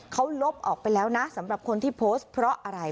เขาลบออกไปแล้วนะสำหรับคนที่โพสต์เพราะอะไร